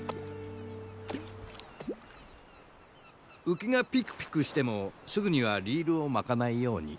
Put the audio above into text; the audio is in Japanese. ウキがピクピクしてもすぐにはリールを巻かないように。